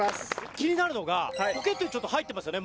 気になるのがポケットにちょっと入ってますよね？